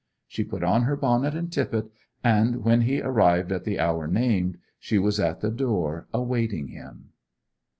She put on her bonnet and tippet, and when he arrived at the hour named she was at the door awaiting him.